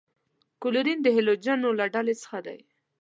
کلورین د هلوجنو له ډلې څخه دی.